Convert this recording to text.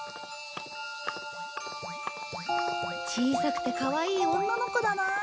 小さくてかわいい女の子だなあ。